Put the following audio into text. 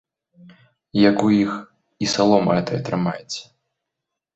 Як у іх і салома гэтая трымаецца!